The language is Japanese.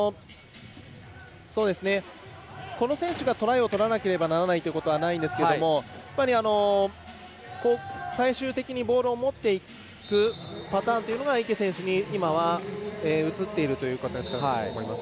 この選手がトライを取らなければならないということはないんですけど、最終的にボールを持っていくパターンというのが池選手に移っているということだと思います。